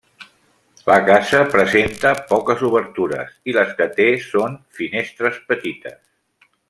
La casa presenta poques obertures, i les que té són finestres petites.